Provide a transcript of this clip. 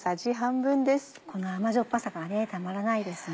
この甘じょっぱさがねたまらないですね。